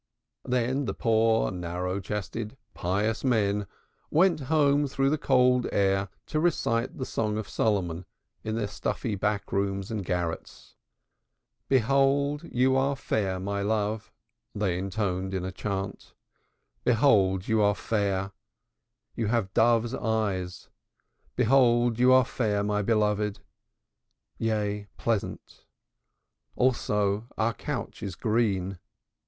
Then the poor narrow chested pious men went home through the cold air to recite the Song of Solomon in their stuffy back rooms and garrets. "Behold thou art fair, my love," they intoned in a strange chant. "Behold thou art fair, thou hast doves' eyes. Behold thou art fair, my beloved, yea pleasant; also our couch is green.